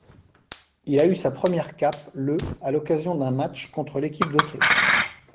Il a eu sa première cape le à l'occasion d'un match contre l'équipe d'Autriche.